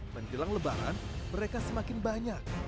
menjelang lebaran mereka semakin banyak